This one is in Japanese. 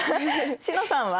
詩乃さんは？